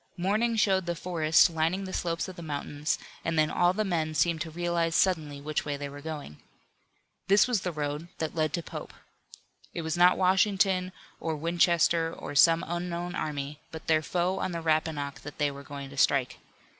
Morning showed the forest lining the slopes of the mountains and then all the men seemed to realize suddenly which way they were going. This was the road that led to Pope. It was not Washington, or Winchester, or some unknown army, but their foe on the Rappahannock that they were going to strike.